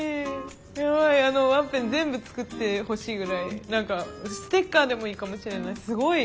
ヤバイあのワッペン全部作ってほしいぐらい何かステッカーでもいいかもしれない。